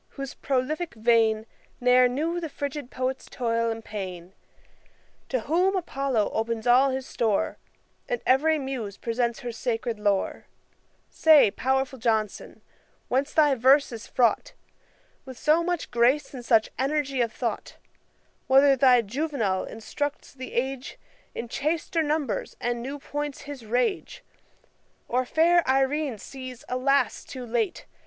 whose prolific vein Ne'er knew the frigid poet's toil and pain; To whom APOLLO opens all his store, And every Muse presents her sacred lore; Say, pow'rful JOHNSON, whence thy verse is fraught With so much grace and such energy of thought; Whether thy JUVENAL instructs the age In chaster numbers, and new points his rage; Or fair IRENE sees, alas! too late.